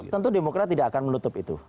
tentu demokra tidak akan melutup itu